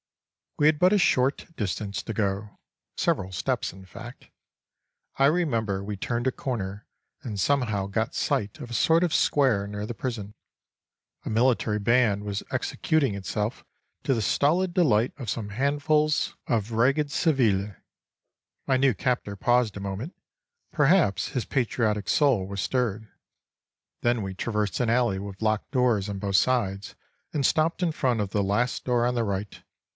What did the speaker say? We had but a short distance to go; several steps in fact. I remember we turned a corner and somehow got sight of a sort of square near the prison. A military band was executing itself to the stolid delight of some handfuls of ragged civiles. My new captor paused a moment; perhaps his patriotic soul was stirred. Then we traversed an alley with locked doors on both sides, and stopped in front of the last door on the right.